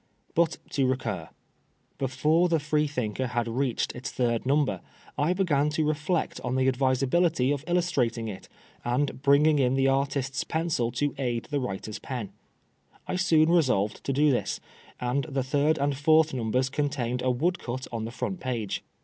But to recur. Before the Freethinker had reached its third number I began to reflect on the advisability of illustrating it, and bringing in the artist's pencil to aid the writer's pen. I soon resolved to do this, and the third and fourth numbers contained a woodcut on the front page.